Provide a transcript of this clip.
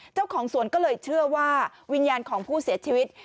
เจ้าของสวนก็เลยเชื่อว่าวิญญาณของผู้เสียชีวิต